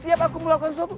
siap aku ngelakukan suatu